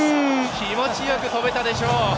気持ち良く飛べたでしょう！